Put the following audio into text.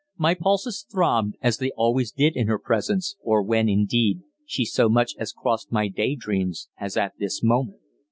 My pulses throbbed as they always did in her presence, or when, indeed, she so much as crossed my daydreams, as at this moment.